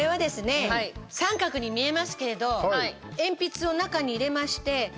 三角に見えますけれど鉛筆を中に入れまして